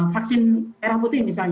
vaksin merah putih misalnya